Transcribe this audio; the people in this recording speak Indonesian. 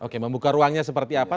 oke membuka ruangnya seperti apa